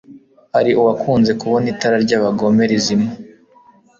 hari uwakunze kubona itara ry'abagome rizima